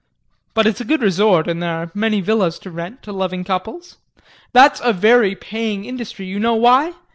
But it's a good resort, and there are many villas to rent to loving couples. That's a very paying industry. You know why?